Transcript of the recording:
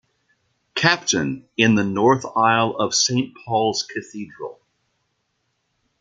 "Captain", in the north aisle of Saint Paul's Cathedral.